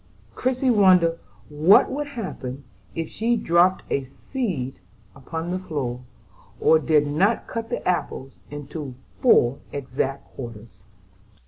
Christie wondered what would happen if she dropped a seed upon the floor, or did not cut the apples into four exact quarters.